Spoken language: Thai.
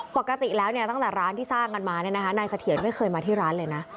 ปกติแล้วเนี่ยตั้งแต่ร้านที่สร้างกันมานายเสถียรไม่เคยมาที่ร้านเลยนะ